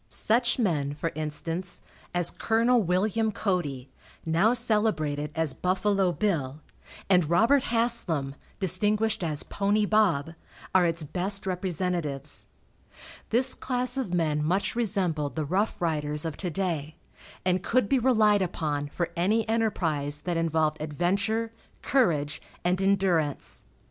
Such men, for instance, as Col. Wm. Cody, now celebrated as "Buffalo Bill," and Robert Haslam, distinguished as "Pony Bob," are its best representatives. This class of men much resembled the rough riders of to day, and could be relied upon for any enterprise that involved adventure, courage and endurance.